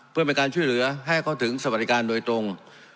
เพื่อเป็นการช่วยเหลือให้เขาถึงสวัสดิการโดยตรง